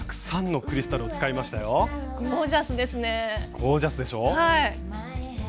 ゴージャスですね。